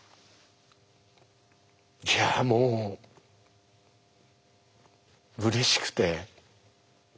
いやもううれしくて。